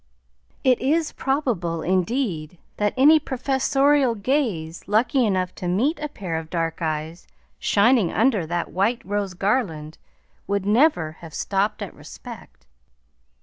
It is probable indeed that any professorial gaze lucky enough to meet a pair of dark eyes shining under that white rose garland would never have stopped at respect!